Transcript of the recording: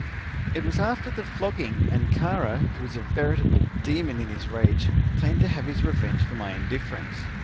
"It was after the flogging, and Kara, who was a veritable demon in his rage, planned to have his revenge for my indifference.